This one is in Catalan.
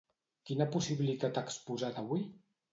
Quina possibilitat ha exposat avui?